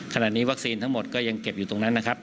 ขณะนี้วัคซีนทั้งหมดก็ยังเก็บอยู่ตรงนั้นนะครับ